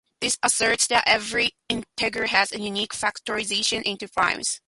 This asserts that every integer has a unique factorization into primes.